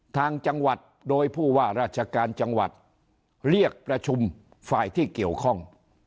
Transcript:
ทางจังหวัดโดยผู้ว่าราชการจังหวัดเรียกประชุมฝ่ายที่เกี่ยวข้อง